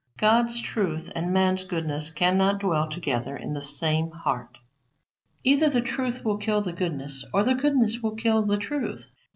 God's truth and man's goodness cannot dwell together in the same heart. Either the truth will kill the goodness, or the goodness will kill the truth.